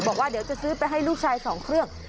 บอกว่าเดี๋ยวจะซื้อไปให้ลูกชาย๒เครื่อง